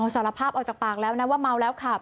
สารภาพออกจากปากแล้วนะว่าเมาแล้วขับ